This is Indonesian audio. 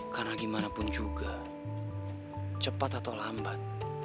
karena gimana pun juga cepat atau lambat